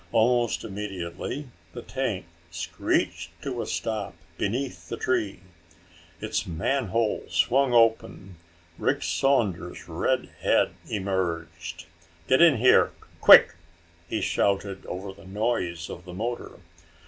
Almost immediately the tank screeched to a stop beneath the tree. Its manhole swung open. Rick Saunders' red head emerged. "Get in here! Quick!" he shouted over the noise of the motor.